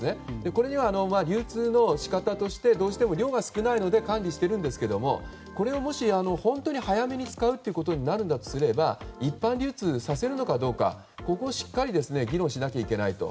これには流通の仕方としてどうしても量が少ないので管理しているんですがこれを本当に早めに使うことになるのだとすれば一般流通させるのかどうかをしっかりと議論しなきゃいけないと。